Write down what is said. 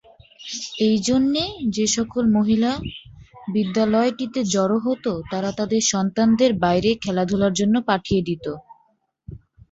এই জন্যে যেসকল মহিলা বিদ্যালয়টিতে জড়ো হত তারা তাদের সন্তানদের বাইরে খেলাধুলার জন্য পাঠিয়ে দিত।